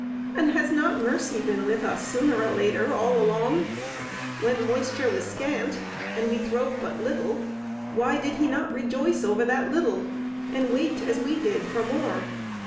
And has not mercy been with us, sooner or later, all along? When moisture was scant, and we throve but little, why did he not rejoice over that little, and wait, as we did, for more?